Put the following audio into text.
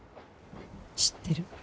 知ってる。